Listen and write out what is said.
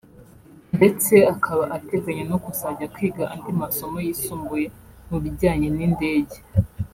ndetse akaba ateganya no kuzajya kwiga andi masomo yisumbuye mu bijyanye n’indege